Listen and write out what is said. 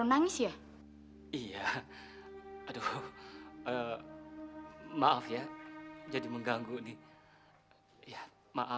ampuni hamba yang kamu punya